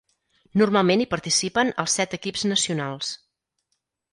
Normalment hi participen els set equips nacionals.